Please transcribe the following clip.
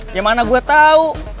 gimana gue tau